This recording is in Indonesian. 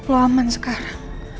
lo aman sekarang